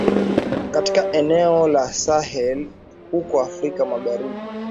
katika eneo la Sahel huko Afrika magharibi